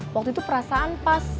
waktu itu perasaan pas